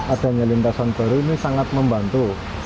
adanya lintasan baru ini sangat membantu